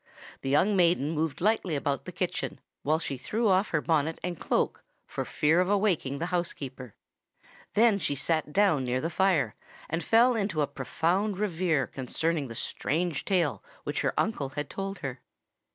The young maiden moved lightly about the kitchen, while she threw off her bonnet and cloak, for fear of awaking the housekeeper. Then she sate down near the fire, and fell into a profound reverie concerning the strange tale which her uncle had told her.